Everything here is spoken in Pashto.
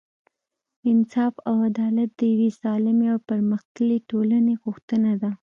انصاف او عدالت د یوې سالمې او پرمختللې ټولنې غوښتنه ده.